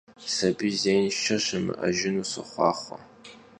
Sabiy zêinşşe şımı'ejjınu soxhuaxhue!